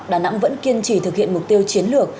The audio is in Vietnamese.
đà nẵng vẫn kiên trì thực hiện mục tiêu chiến lược